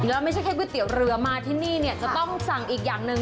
แล้วไม่ใช่แค่ก๋วยเตี๋ยวเรือมาที่นี่เนี่ยจะต้องสั่งอีกอย่างหนึ่ง